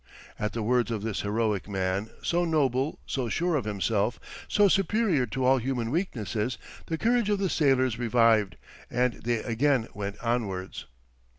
At the words of this heroic man, so noble, so sure of himself, so superior to all human weaknesses, the courage of the sailors revived, and they again went onwards.